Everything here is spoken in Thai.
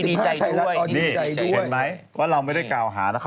น่ากลัวดีดีใจด้วย